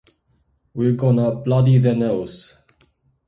We're gonna bloody their nose!